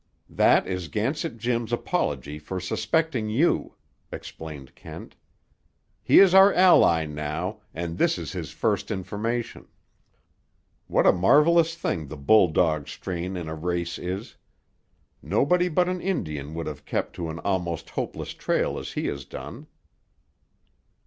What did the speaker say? "That is Gansett Jim's apology for suspecting you," explained Kent. "He is our ally now, and this is his first information. What a marvelous thing the bulldog strain in a race is! Nobody but an Indian would have kept to an almost hopeless trail as he has done."